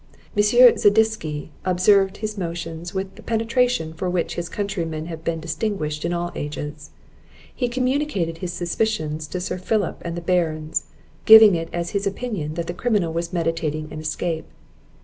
M. Zadisky observed his motions with the penetration for which his countrymen have been distinguished in all ages; he communicated his suspicions to Sir Philip and the Barons, giving it as his opinion, that the criminal was meditating an escape.